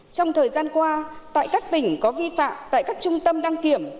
trong thời gian qua tại các tỉnh có vi phạm tại các trung tâm đăng kiểm